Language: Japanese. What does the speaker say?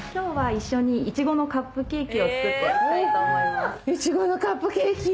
いちごのカップケーキ！